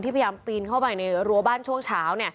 พยายามปีนเข้าไปในรั้วบ้านช่วงเช้า